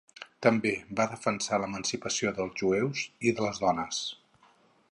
També va defensar l'emancipació dels jueus i de les dones.